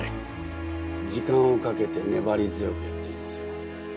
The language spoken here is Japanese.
時間をかけて粘り強くやっていきますよ。